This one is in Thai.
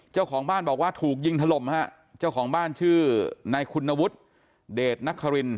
เจ้าของบ้านบอกว่าถูกยิงถล่มฮะเจ้าของบ้านชื่อนายคุณวุฒิเดชนักฮาริน